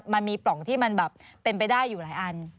มันมีปล่องที่มันแบบเป็นไปได้อยู่หลายอัน